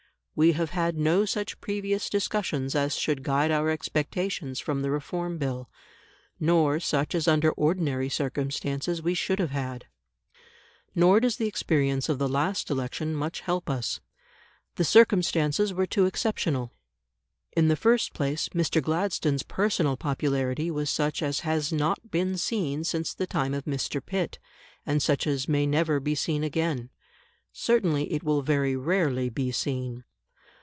We have had no such previous discussions as should guide our expectations from the Reform Bill, nor such as under ordinary circumstances we should have had. Nor does the experience of the last election much help us. The circumstances were too exceptional. In the first place, Mr. Gladstone's personal popularity was such as has not been seen since the time of Mr. Pitt, and such as may never be seen again. Certainly it will very rarely be seen.